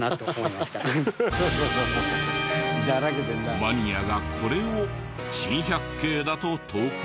マニアがこれを珍百景だと投稿してきた。